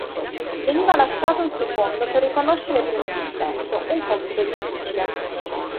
Veniva lasciato un secondo per riconoscere il primo sospetto: un compito difficile.